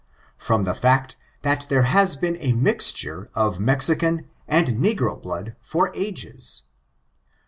From the fact that there has been a mixture of Mexican and negro blood for ages.